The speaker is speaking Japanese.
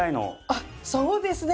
あっそうですね！